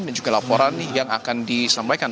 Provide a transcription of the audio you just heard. dan juga laporan yang akan disampaikan